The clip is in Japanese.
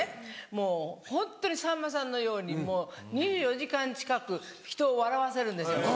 もうホントにさんまさんのようにもう２４時間近く人を笑わせるんですよ。